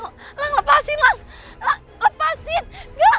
semoga aja galang gak ngikutin aku